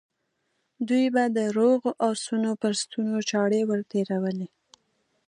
دوی به د روغو آسونو پر ستونو چاړې ور تېرولې.